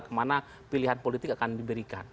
kemana pilihan politik akan diberikan